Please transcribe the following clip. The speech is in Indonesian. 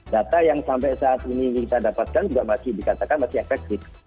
data yang sampai saat ini kita dapatkan juga masih dikatakan masih efektif